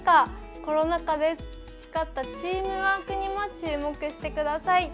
コロナ禍で培ったチームワークにも注目してください。